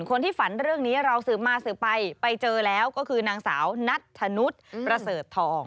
คนที่ฝันเรื่องนี้เราสืบมาสืบไปไปเจอแล้วก็คือนางสาวนัทธนุษย์ประเสริฐทอง